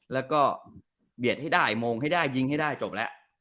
แล้วก็เบียดให้ได้มองให้ได้ยิงให้ได้จบแล้ว